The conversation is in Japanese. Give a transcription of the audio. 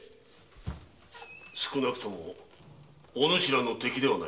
少なくともお主らの敵ではない。